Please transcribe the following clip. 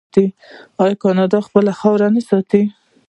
آیا کاناډا خپله خاوره نه ساتي؟